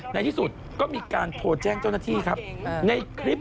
ในที่สุดก็มีการโทรแจ้งเจ้าหน้าที่ครับในคลิป